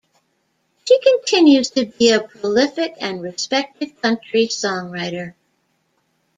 She continues to be a prolific and respected country songwriter.